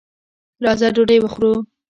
راځه ډوډۍ وخورو.